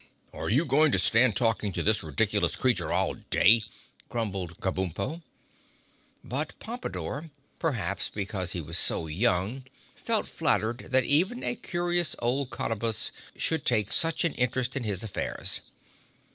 "Are you going to stand talking to this ridiculous creature all day?" grumbled Kabumpo. But Pompadore, perhaps because he was so young, felt flattered that even a curious old Cottabus should take such an interest in his affairs.